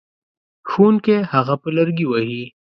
ښوونکی هغه په لرګي وهي.